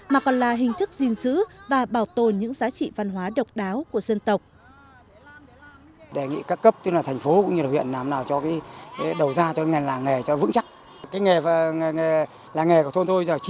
mà còn là hình thức gìn giữ và bảo tồn những giá trị văn hóa độc đáo của dân tộc